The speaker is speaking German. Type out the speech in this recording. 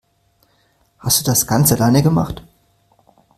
Hast du das ganz alleine gemacht?